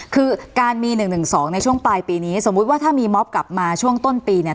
คือการมี๑๑๒ในช่วงปลายปีนี้สมมุติว่าถ้ามีมอบกลับมาช่วงต้นปีเนี่ย